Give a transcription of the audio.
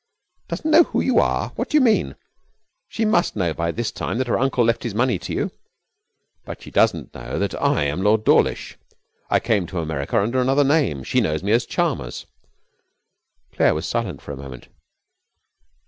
'Doesn't know who you are? What do you mean? She must know by this time that her uncle left his money to you.' 'But she doesn't know that I am Lord Dawlish. I came to America under another name. She knows me as Chalmers.' Claire was silent for a moment.